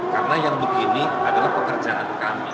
karena yang begini adalah pekerjaan kami